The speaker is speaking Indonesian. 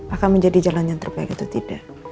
akan menjadi jalan yang terbaik atau tidak